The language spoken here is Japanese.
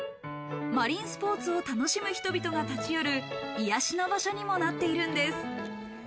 マリンスポーツを楽しむ人々が立ち寄る癒やしの場所にもなっているんです。